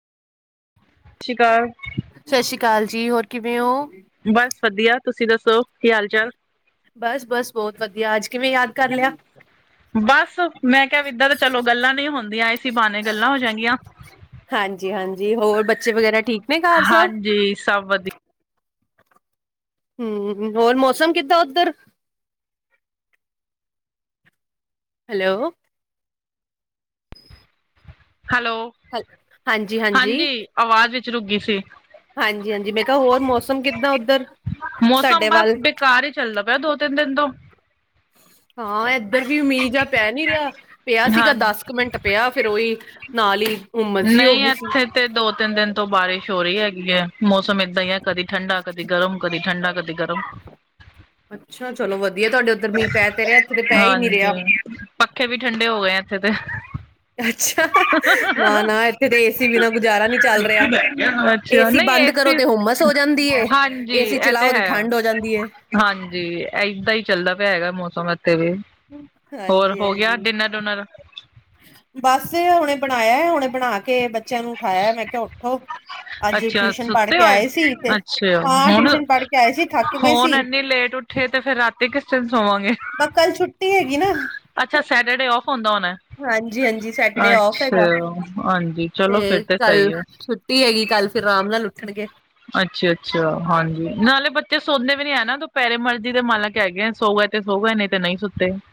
ਸਸੀ਼ ਕਾਲ। ਸਸ੍ਰੀ ਕਾਲ ਜੀ, ਹੋਰ ਕਿਵੇਂ ਹੋ? ਬਸ, ਵਧੀਆ ਤੁਸੀਂ ਦੱਸੋ ਕੀ ਹਾਲ ਚਾਲ? ਬਸ-ਬਸ ਬਹੁਤ ਵਧੀਆ, ਅੱਜ ਕਿਵੇਂ ਯਾਦ ਕਰ ਲਿਆ? ਬਸ, ਮੈਂ ਕਿਹਾ ਵੀ ਇੱਦਾਂ ਤਾਂ ਚਲੋ ਗੱਲਾਂ ਨਹੀਂ ਹੁੰਦੀਆਂ ਇਸੀ ਬਹਾਨੇ ਗੱਲਾਂ ਹੋ ਜਾਗੀਆਂ ਹਾਂਜੀ-ਹਾਂਜੀ, ਹੋਰ ਬੱਚੇ ਵਗੈਰਾ ਠੀਕ ਨੇ ਘਰ ਸਭ ਹਾਂਜੀ ਸਭ ਵਧੀਆ ਹਮ, ਹੋਰ ਮੌਸਮ ਕਿੱਦਾਂ ਉੱਧਰ? ਹੈਲੋ। ਹੈਲੋ। ਹਾਂਜੀ-ਹਾਂਜੀ। ਹਾਂਜੀ ਆਵਾਜ਼ ਵਿੱਚ ਰੁਕ ਗੀ ਸੀ। ਹਾਂਜੀ-ਹਾਂਜੀ ਹੋਰ ਕਿਹਾ ਹੋਰ ਮੌਸਮ ਕਿੱਦਾਂ ਉੱਧਰ ਮੌਸਮ ਤੁਹਾਡੇ ਬਸ ਵੱਲ ਬੇਕਾਰ ਹੀ ਚੱਲਦਾ ਪਿਆ ਦੋ-ਤਿੰਨ ਦਿਨ ਤੋਂ ਹਾਂ, ਇੱਧਰ ਵੀ ਮੀਂਹ ਜਾਂ ਪੈ ਨੀ ਰਿਹਾ ਪਿਆ ਸੀਗਾ ਹਾਂਜੀ ਦਸ ਕੁ ਮਿੰਟ ਪਿਆ ਫਿਰ ਉਹੀ ਨਾਲ ਹੀ ਉਮਸ ਜੀ ਹੋ ਨਹੀਂ ਗਈ ਸੀ। ਇੱਥੇ ਤੇ ਦੋ ਤਿੰਨ ਬਾਰਿਸ਼ ਹੋ ਰਹੀ ਹੈਗੀ ਹੈ, ਮੌਸਮ ਏਦਾਂ ਹੀ ਹੈ ਕਦੀ ਠੰਡਾ, ਕਦੀ ਗਰਮ, ਕਦੀ ਠੰਡਾ, ਕਦੀ ਗਰਮ ਅੱਛਾ, ਚਲੋ ਵਧੀਆ ਤੁਹਾਡੇ ਉੱਧਰ ਮੀਂਹ ਪੈ ਤੇ ਰਿਹਾ ਇੱਥੇ 'ਤੇ ਪੈ ਹੀ ਨਹੀਂ ਰਿਹਾ। ਹਾਂਜੀ ਪੱਖੇ ਵੀ ਠੰਡੇ ਹੋ ਗਏ ਇੱਥੇ 'ਤੇ ਅੱਛਾ, ਨਾ-ਨਾ ਇੱਥੇ ਤਾਂ ਏਸੀ ਬਿਨਾਂ ਗੁਜ਼ਾਰਾ ਨਹੀਂ ਚੱਲ ਰਿਹਾ। ਏ ਅੱਛਾ ਸੀ ਨਹੀਂ ਬੰਦ ਕਰੋ ਏਸੀ ਤੇ ਹੁੰਮਸ ਓ ਜਾਂਦੀ ਏ ਹਾਂਜੀ ਏ ਸੀ ਇਹ ਚਲਾਓ ਤੇ ਹੈ ਠੰਡ ਓ ਜਾਂਦੀ ਐ। ਹਾਂਜੀ ਅਇੱਦਾ ਈ ਚਲਦਾ ਪਿਆ ਹੈਗਾ ਮੌਸਮ ਇੱਥੇ ਵੀ। ਹੋਰ ਹੋ ਗਿਆ ਡਿਨਰ- ਡੁਨਰ? ਬੱਸ ਈ ਹੁਣੇ ਬਣਾਇਆ ਐ ਹੁਣੇ ਬਣਾ ਕੇ ਬੱਚਿਆਂ ਨੂੰ ਠਾਇਐ ਮੈਂ ਕਿਆ ਉੱਠੋ। ਅੱਜ ਅੱਛਿਆ ਟਿਊਸ਼ਨ ਪੜ੍ਹ ਸੁੱਤੇ ਕੇ ਓਏ, ਆਏ ਸੀ ਤੇ ਅੱਛਿਆ ਹਾਂ ਹੁਣ, ਟਿਊਸ਼ਨ ਪੜ੍ਹ ਕੇ ਆਏ ਸੀ ਥੱਕ ਗਏ ਹੁਣ ਸੀ। ਇਨੀ ਲੇਟ ਉਠੇ ਤੇ ਫਿਰ ਰਾਤੀ ਕਿਸ ਟਿਨ ਸੋਵਾਂਗੇ ਅ ਪਰ ਕੱਲ ਛੁੱਟੀ ਹੈਗੀ ਹ ਨਾ। ਹ, ਅੱਛਾ ਸੈਟਰਡੇ ਔਫ ਓਂਦਾ ਓਣੈਂ? ਹਾਂਜੀ- ਹਾਂਜੀ ਸੈਟਰਡੇ ਔਫ ਐਗਾ ਹਾਂਜੀ ਤੇ ਚਲੋ ਫਿਰ ਕੱਲ ਸਹੀ ਆ ਛੁੱ ਛੁੱਟੀ ਐਗੀ ਕੱਲ ਫਿਰ ਰਾਮ ਨਾਲ ਉੱਠਣਗੇ। ਅੱਛਾ- ਅੱਛਾ ਹਾਂਜੀ ਨਾਲੇ ਬੱਚੇ ਸੋਂਦੇ ਵੀ ਨੀ ਐ ਨਾ ਦੁਪੈਰੇ ਮਰਜ਼ੀ ਦੇ ਮਾਲਕ ਐਗੇਐਂ ਸੋ ਗਏ ਤੇ ਸੋ ਗਏ ਨਈ ਤੇ ਨਈ ਸੁੱਤੇ।